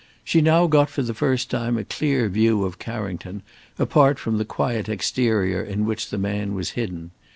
She now got for the first time a clear view of Carrington, apart from the quiet exterior in which the man was hidden.